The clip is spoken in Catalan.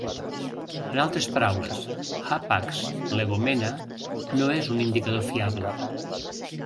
En altres paraules, "hapax legomena" no és un indicador fiable.